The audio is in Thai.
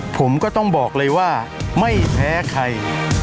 ผมก็ต้องบอกเลยว่าไม่แพ้ใคร